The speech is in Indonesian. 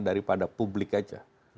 daripada publik aja